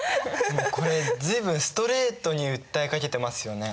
これ随分ストレートに訴えかけてますよね。